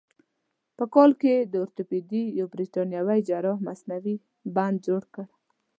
په کال کې د اورتوپیدي یو برتانوي جراح مصنوعي بند جوړ کړ.